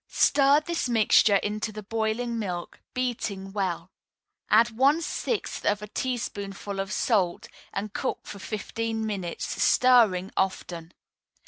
Stir this mixture into the boiling milk, beating well. Add one sixth of a teaspoonful of salt, and cook for fifteen minutes, stirring often.